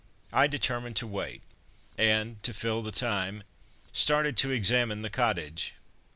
I determined to wait, and, to fill in the time, started to examine the cottage.